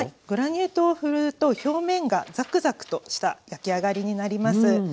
グラニュー糖をふると表面がザクザクとした焼き上がりになります。